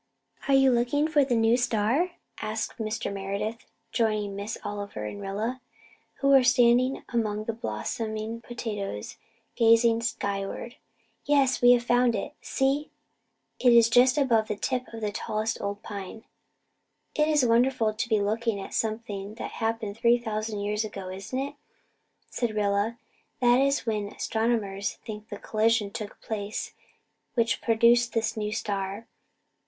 "Are you looking for the new star?" asked Mr. Meredith, joining Miss Oliver and Rilla, who were standing among the blossoming potatoes gazing skyward. "Yes we have found it see, it is just above the tip of the tallest old pine." "It's wonderful to be looking at something that happened three thousand years ago, isn't it?" said Rilla. "That is when astronomers think the collision took place which produced this new star.